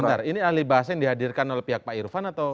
sebentar ini ahli bahasa yang dihadirkan oleh pihak pak irfan atau